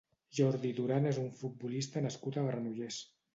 Jordi Durán és un futbolista nascut a Granollers.